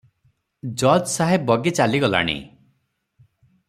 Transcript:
ଜଜ୍ ସାହେବ ବଗି ଚାଲିଗଲାଣି ।